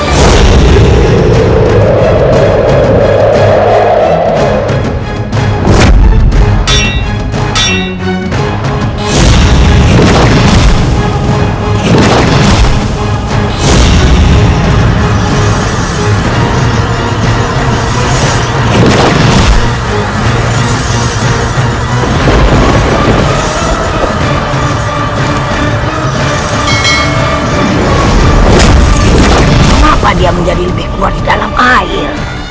kenapa dia menjadi lebih kuat di dalam air